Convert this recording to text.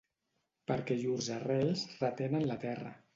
Perquè llurs arrels retenen la terra.